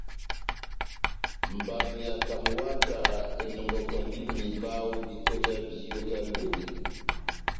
Mbando ya Camwater enɔngɔkɔndi mihiba ó diko já viyó vyá Lobe.